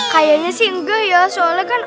kayaknya sih enggak ya soalnya kan